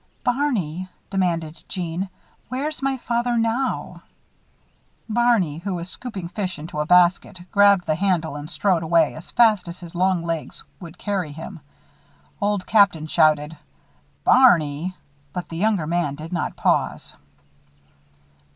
"Barney," demanded Jeanne, "where's my father now?" Barney, who was scooping fish into a basket, grabbed the handle and strode away as fast as his long legs would carry him. Old Captain shouted: "Barney!" but the younger man did not pause.